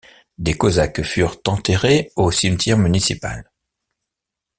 Des Cosaques furent enterrés au cimetière municipal.